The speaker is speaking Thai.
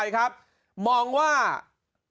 เช็ดแรงไปนี่